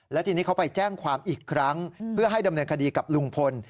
แล้วทีนี้เขาไปแจ้งความอีกครั้งเพื่อให้ดำเนินคดีกับลุงพล